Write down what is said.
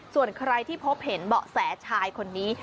ส่วนใครที่พบเห็นเบาะแสชายคนนี้